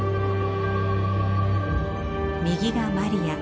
右がマリア。